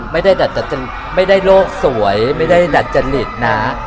ไม่ได้โรคสวยไม่ได้ดัจจริตนะ